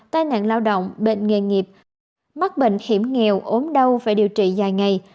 tai nạn lao động bệnh nghề nghiệp mắc bệnh hiểm nghèo ốm đau phải điều trị dài ngày